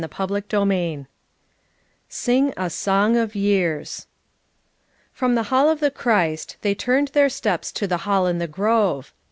CHAPTER XXVIH "sing a song of years I" From the Hall of the Christ, they turned their steps to the Hall in the Grove.